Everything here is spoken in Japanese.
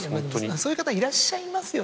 そういう方いらっしゃいますよね。